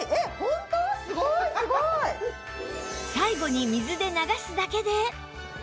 最後に水で流すだけで